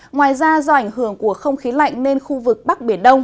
ngoài ra do ảnh hưởng của không khí lạnh nên khu vực bắc biển đông